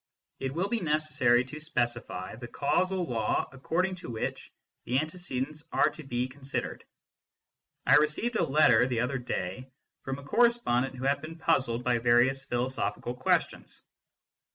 It will be necessary to specify the causal law according to which the antecedents are to be con sidered. I received a letter the other day from a corre spondent who had been puzzled by various philosophical questions.